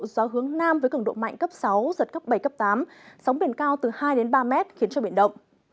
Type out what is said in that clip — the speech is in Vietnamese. gió hướng nam với cường độ mạnh cấp sáu giật cấp bảy cấp tám sóng biển cao từ hai ba mét khiến cho biển động